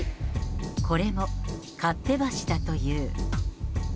これも、勝手橋だという。